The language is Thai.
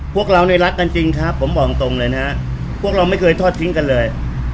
พวกเราเนี่ยรักกันจริงครับผมบอกตรงเลยนะฮะพวกเราไม่เคยทอดทิ้งกันเลย